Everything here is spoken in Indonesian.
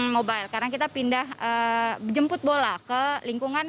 mobile karena kita pindah jemput bola ke lingkungan